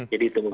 jadi itu mungkin